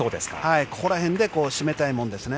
ここら辺で締めたいものですね。